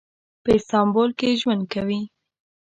په استانبول کې ژوند کوي.